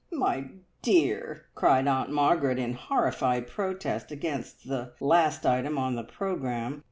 "My dear!" cried Aunt Margaret in horrified protest against the last item on the programme.